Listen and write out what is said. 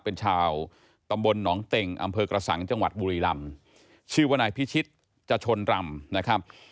เป็นชาวตำบลหนองเต็งอำเภอกระสังจังหวัดบุรีรำชื่อว่านายพิชิตจชนรำนะครับ